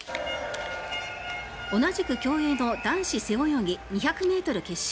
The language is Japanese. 同じく競泳の男子背泳ぎ２００ｍ決勝。